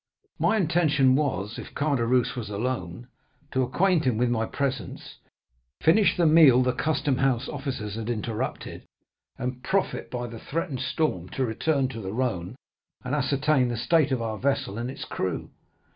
"My intention was, if Caderousse was alone, to acquaint him with my presence, finish the meal the custom house officers had interrupted, and profit by the threatened storm to return to the Rhône, and ascertain the state of our vessel and its crew.